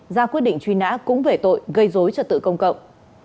ra quyết định truy nã cũng về tội gây dối trật tự công cộng